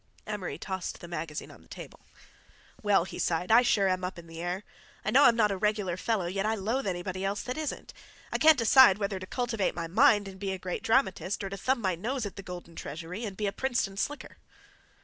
Amory tossed the magazine on the table. "Well," he sighed, "I sure am up in the air. I know I'm not a regular fellow, yet I loathe anybody else that isn't. I can't decide whether to cultivate my mind and be a great dramatist, or to thumb my nose at the Golden Treasury and be a Princeton slicker."